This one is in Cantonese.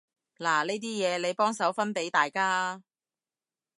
嗱呢啲嘢，你幫手分畀大家啊